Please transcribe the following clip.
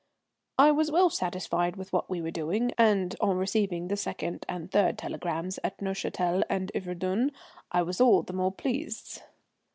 I was well satisfied with what we were doing, and on receiving the second and third telegrams at Neuchâtel and Yverdun I was all the more pleased.